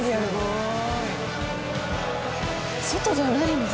外じゃないんだ。